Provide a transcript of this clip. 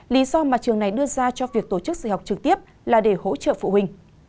lý do mà trường này đưa ra cho việc tổ chức dạy học trực tiếp là để hỗ trợ phụ huynh